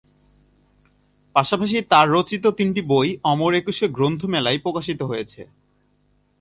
পাশাপাশি তার রচিত তিনটি বই অমর একুশে গ্রন্থমেলায় প্রকাশিত হয়েছে।